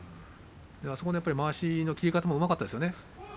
そこでまわしの切り方もうまかったです。